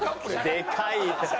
でかい！